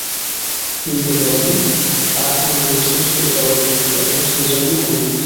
হিন্দু বলেন আত্মা নির্বিশেষ ও সর্বব্যাপী, এবং সেইজন্য অনন্ত।